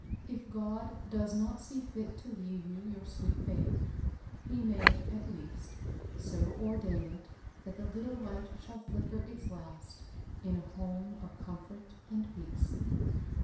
If God does not see fit to leave you your sweet babe, he may, at least, so ordain it that the little light shall flicker its last in a home of comfort and peace.